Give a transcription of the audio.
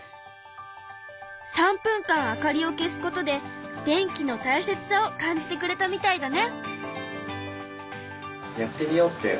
３分間明かりを消すことで電気のたいせつさを感じてくれたみたいだね。